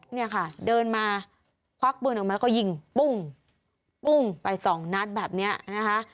เนี่ยค่ะเดินมาควักปืนออกมาก็ยิงปุ้งปุ้งไปสองนัดแบบนี้นะคะ